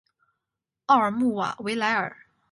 奥尔穆瓦维莱尔。